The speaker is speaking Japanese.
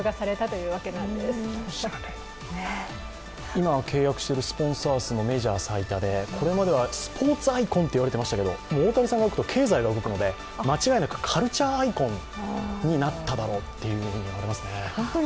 今は契約しているスポンサー数もメジャー最多でこれまではスポーツアイコンと言われていましたけれども大谷さんが行くと経済が動くので、間違いなくカルチャーアイコンになっただろうと思いますね。